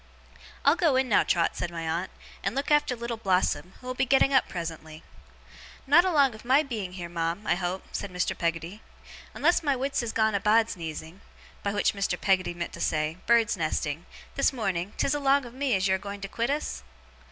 'I'll go in now, Trot,' said my aunt, 'and look after Little Blossom, who will be getting up presently.' 'Not along of my being heer, ma'am, I hope?' said Mr. Peggotty. 'Unless my wits is gone a bahd's neezing' by which Mr. Peggotty meant to say, bird's nesting 'this morning, 'tis along of me as you're a going to quit us?